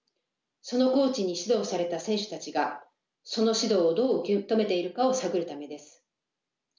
そのコーチに指導された選手たちがその指導をどう受け止めているかを探るためです。